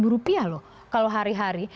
rp sembilan puluh lima loh kalau hari hari